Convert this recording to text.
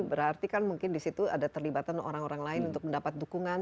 berarti kan mungkin disitu ada terlibatan orang orang lain untuk mendapat dukungan